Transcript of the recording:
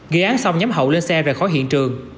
ghi án xong nhóm hậu lên xe và khỏi hiện trường